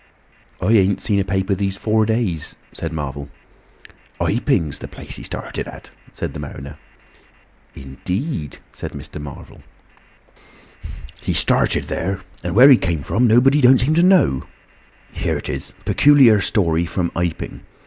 "I ain't seen a paper these four days," said Marvel. "Iping's the place he started at," said the mariner. "In deed!" said Mr. Marvel. "He started there. And where he came from, nobody don't seem to know. Here it is: 'Pe culiar Story from Iping.